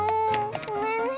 ごめんね。